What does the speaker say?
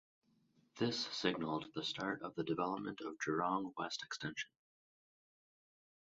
This signalled the start of the development of Jurong West Extension.